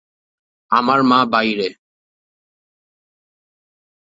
আমার মা বাইরে।